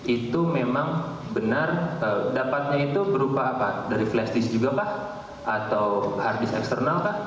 itu memang benar dapatnya itu berupa apa dari flash disk juga kah atau hard disk eksternal kah